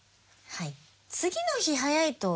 はい。